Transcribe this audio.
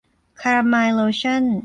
คาลาไมน์โลชั่น